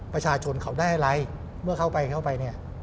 ประชาชนเขาได้อะไรเมื่อเข้าไปเข้าไปเนี่ย